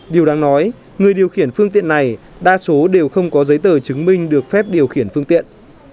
điều đáng nói người điều khiển phương tiện này đa số đều không có giấy tờ chứng minh được phép điều khiển phương tiện